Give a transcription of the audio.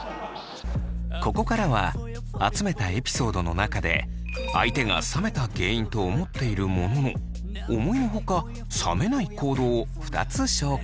ここからは集めたエピソードの中で相手が冷めた原因と思っているものの思いのほか冷めない行動を２つ紹介。